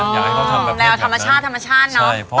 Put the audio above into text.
แล้วธรรมชาติธรรมชาติเนอะ